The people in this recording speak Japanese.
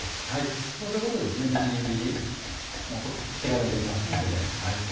こうすることでみじん切りお手軽にできますので。